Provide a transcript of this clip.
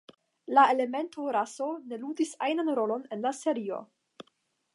La elemento "raso" ne ludis ajnan rolon en la serio.